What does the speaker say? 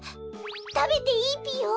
たべていいぴよ？